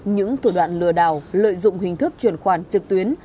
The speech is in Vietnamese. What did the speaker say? những thủ đoạn lừa đào lợi dụng hình thức truyền khoản trực tuyến